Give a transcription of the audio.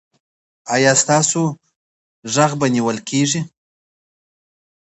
ایا ستاسو غږ به نیول کیږي؟